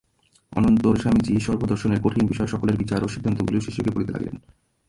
অনন্তর স্বামীজী সর্বদর্শনের কঠিন বিষয়সকলের বিচার ও সিদ্ধান্তগুলি শিষ্যকে বলিতে লাগিলেন।